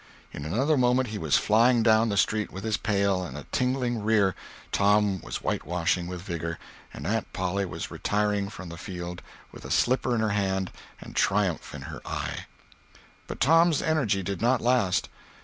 In another moment he was flying down the street with his pail and a tingling rear, Tom was whitewashing with vigor, and Aunt Polly was retiring from the field with a slipper in her hand and triumph in her eye. But Tom's energy did not last.